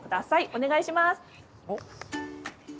お願いします。